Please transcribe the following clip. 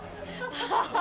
ハハハッ！